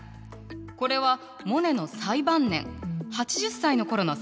これはモネの最晩年８０歳の頃の作品。